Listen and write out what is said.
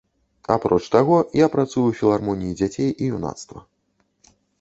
Апроч таго, я працую ў філармоніі дзяцей і юнацтва.